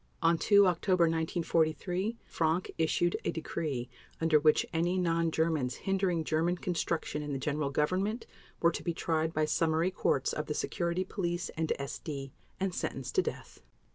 On 2 October 1943 Frank issued a decree under which any non Germans hindering German construction in the General Government were to be tried by summary courts of the Security Police and SD and sentenced to death.